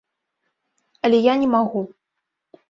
Але я не магу.